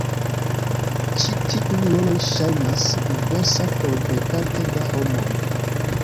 Ĉi tiuj roloj ŝajnas inversa por plejparte da homoj.